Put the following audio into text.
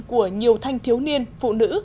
của nhiều thanh thiếu niên phụ nữ